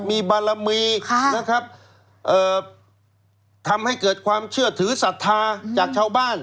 มีบารมีนะครับทำให้เกิดความเชื่อถือศรัทธาจากชาวบ้าน